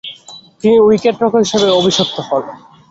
তিনি উইকেট-রক্ষক হিসেবে অভিষিক্ত হন।